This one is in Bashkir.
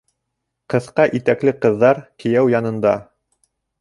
Ҡыҫҡа итәкле ҡыҙҙар кейәү янында: